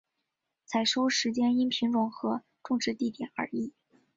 采收时间因品种和种植地点而异。